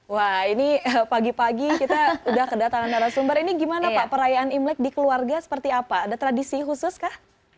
wah ini pagi pagi kita udah kedatangan narasumber ini gimana pak perayaan imlek di keluarga seperti apa ada tradisi khusus kah